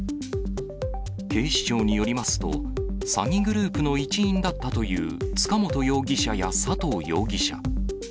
警視庁によりますと、詐欺グループの一員だったという塚本容疑者や佐藤容疑者。